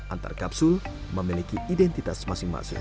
antar kapsul memiliki identitas masing masing